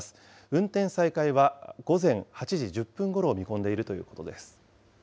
運転再開は午前８時１０分ごろを見込んでいるということです。